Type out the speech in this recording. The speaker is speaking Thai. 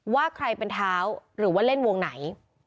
ว่าใครเป็นเท้าหรือว่าเล่นวงไหน